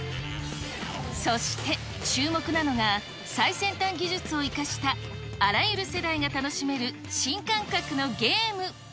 そして、注目なのが、最先端技術を生かした、あらゆる世代が楽しめる新感覚のゲーム。